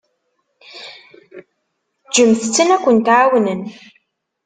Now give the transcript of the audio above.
Ǧǧemt-ten akent-ɛawnen.